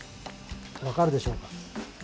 分かるでしょうか？